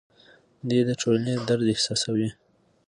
دی د ټولنې درد احساسوي.